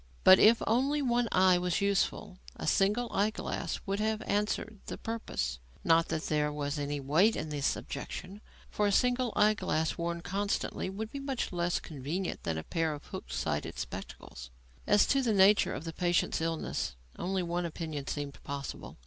But if only one eye was useful, a single eye glass would have answered the purpose; not that there was any weight in this objection, for a single eye glass worn constantly would be much less convenient than a pair of hook sided spectacles. As to the nature of the patient's illness, only one opinion seemed possible.